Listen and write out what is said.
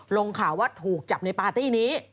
ลงข่าวว่าถูกจับในปาร์ตี้นี้